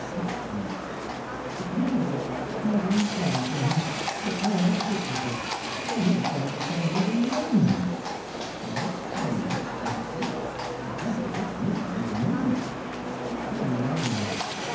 Hatchments! To commemorate that sniveling tramp and his, fraternal duplicate. And he is going to send me the remains. The late Claimant was a fool, but plainly this new one's a maniac. What a name!